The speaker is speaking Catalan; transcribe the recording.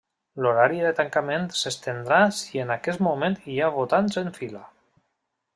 L'horari de tancament s'estendrà si en aquest moment hi ha votants en fila.